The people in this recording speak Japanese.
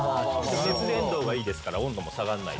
熱伝導がいいですから温度も下がらないですし。